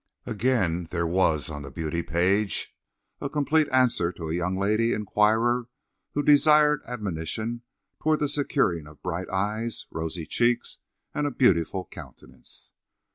Again, there was, on the beauty page, a complete answer to a young lady inquirer who desired admonition toward the securing of bright eyes, rosy cheeks and a beautiful countenance.